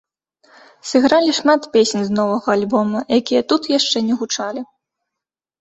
Сыгралі шмат песень з новага альбома, якія тут яшчэ не гучалі.